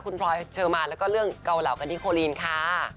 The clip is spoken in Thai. คุณพลอยเชอร์มานแล้วก็เรื่องเกาเหลากันที่โคลีนค่ะ